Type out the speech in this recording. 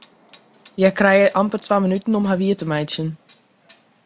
Hja krije amper twa minuten om har wier te meitsjen.